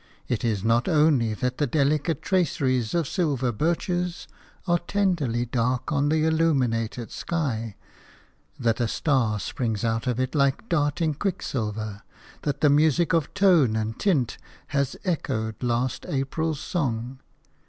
It is not only that the delicate traceries of silver birches are tenderly dark on the illumined sky, that a star springs out of it like darting quicksilver, that the music of tone and tint has echoed last April's song.